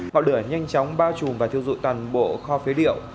họ đửa nhanh chóng bao chủ